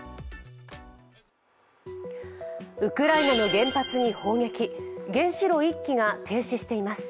ウクライナの原発に砲撃、原子炉１基が停止しています。